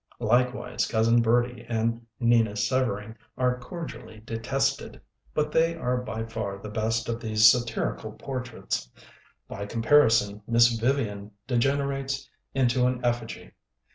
Likewise Cousin Bertie and N'ina Severing are cor dially detested, but they are by far the best of these satirical portraits. By comparison, Miss Vivian degenerates into an effigy.